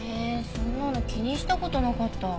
そんなの気にした事なかった。